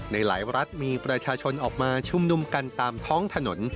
ในหลายรัฐมีประชาชนออกมาชุมนุมกันตามท้องถนน